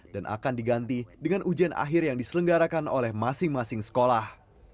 dan akan diganti dengan ujian akhir yang diselenggarakan oleh masing masing sekolah